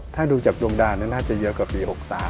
ถ้าดูจากดวงดาวน่าจะเยอะกว่าปี๖๓